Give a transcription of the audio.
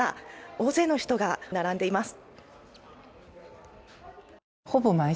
大勢の人が並んでいます。